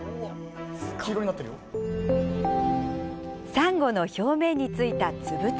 サンゴの表面についた粒々。